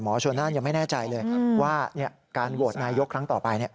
ชนนั่นยังไม่แน่ใจเลยว่าการโหวตนายกครั้งต่อไป